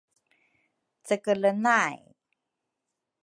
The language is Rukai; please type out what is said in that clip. Cekele nay